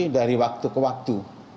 dari waktu ke waktu